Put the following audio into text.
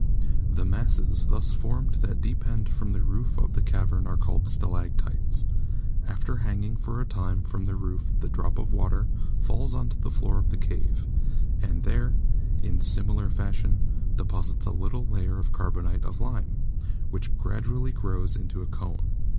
The masses thus formed that depend from the roof of the cavern are called stalactites. After hanging for a time from the roof the drop of water falls to the floor of the cave, and there, in similar fashion, deposits a little layer of carbonate of lime, which gradually grows into a cone.